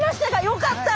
よかった！